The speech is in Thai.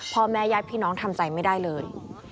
พ่อแม่ญาติพี่น้องทำใจไม่ได้เลย